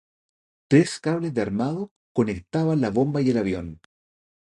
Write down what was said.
Tres cables de armado conectaban la bomba y el avión.